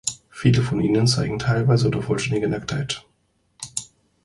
Viele von ihnen zeigen teilweise oder vollständige Nacktheit.